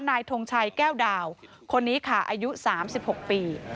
ทงชัยแก้วดาวคนนี้ค่ะอายุ๓๖ปี